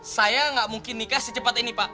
saya nggak mungkin nikah secepat ini pak